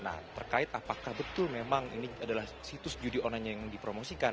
nah terkait apakah betul memang ini adalah situs judi online yang dipromosikan